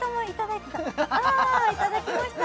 いただきました